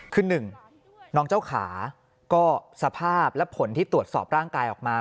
คือ๑น้องเจ้าขาก็สภาพและผลที่ตรวจสอบร่างกายออกมา